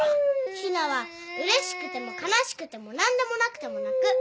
陽菜はうれしくても悲しくても何でもなくても泣く。